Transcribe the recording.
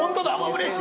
うれしい！